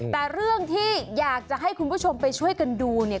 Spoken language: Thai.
แต่เรื่องที่อยากจะให้คุณผู้ชมไปช่วยกันดูเนี่ย